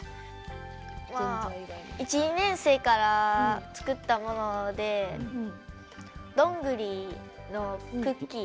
１、２年生から作ったものでどんぐりのクッキー。